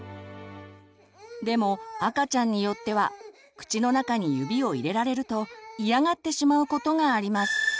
でも赤ちゃんによっては口の中に指を入れられると嫌がってしまうことがあります。